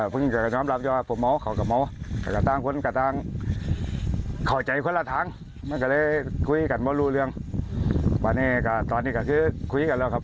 เพราะเห็นแล้วก็หลังอย่างนั้นผมก็ลบครับ